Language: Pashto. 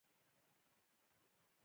د افغانانو دسترخان ولې پراخ وي؟